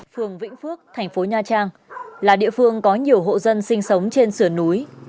phường vĩnh phước thành phố nha trang là địa phương có nhiều hộ dân sinh sống trên sườn núi